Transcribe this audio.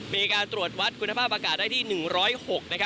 มีการตรวจวัดคุณภาพอากาศได้ที่๑๐๖